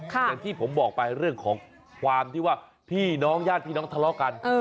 อย่างที่ผมบอกไปเรื่องของความที่ว่าพี่น้องญาติพี่น้องทะเลาะกัน